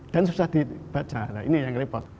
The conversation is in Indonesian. dan susah dibaca nah ini yang repot